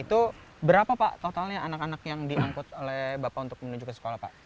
itu berapa pak totalnya anak anak yang diangkut oleh bapak untuk menuju ke sekolah pak